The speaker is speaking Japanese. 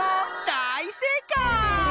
だいせいかい！